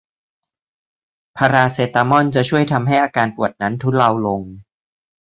พาราเซตามอลจะช่วยทำให้อาการปวดนั้นทุเลาลง